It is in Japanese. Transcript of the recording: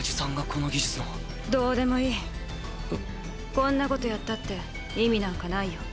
こんなことやったって意味なんかないよ。